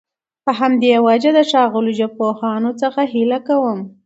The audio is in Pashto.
په همدي وجه د ښاغلو ژبپوهانو څخه هيله کوم